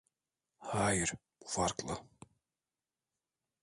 Hayır, bu farklı.